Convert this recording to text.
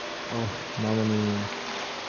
ওহ, মামণি।